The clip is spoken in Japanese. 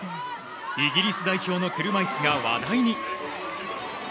イギリス代表の車いすが話題に。